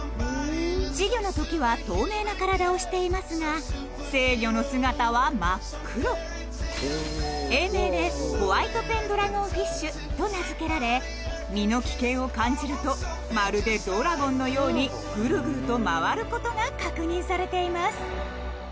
稚魚のときは透明な体をしていますが成魚の姿は真っ黒英名で「ＷｈｉｔｅｐｅｎＤｒａｇｏｎｆｉｓｈ」と名付けられ身の危険を感じるとまるでドラゴンのようにグルグルと回ることが確認されています